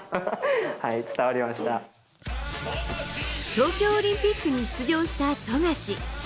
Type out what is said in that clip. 東京オリンピックに出場した富樫。